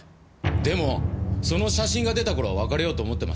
でもその写真が出た頃は別れようと思ってました。